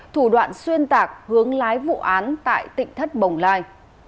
thủ đoạn xuyên tạc hướng lái vụ án tại tỉnh thất bồng lai